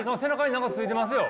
何かついてますよ。